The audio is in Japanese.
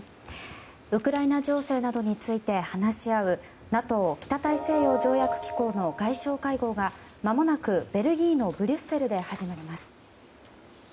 ウクライナ情勢などについて話し合うＮＡＴＯ・北大西洋条約機構の外相会合がまもなくベルギーのブリュッセルで始まります。